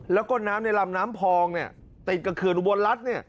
แล้วก็น้ำในลำน้ำพองติดกับเขื่อนอุบลรัฐ